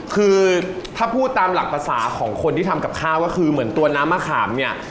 คือถ้าพูดตามหลักภาษาของคนที่ทำกับข้าวก็คือเหมือนตัวน้ำมะขามเนี่ย